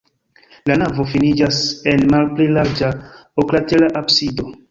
La navo finiĝas en malpli larĝa oklatera absido.